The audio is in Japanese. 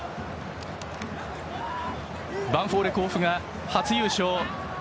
ヴァンフォーレ甲府が初優勝。